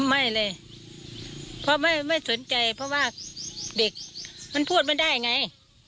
ไม่เลยเพราะไม่สนใจเพราะว่าเด็กมันพูดไม่ได้ไง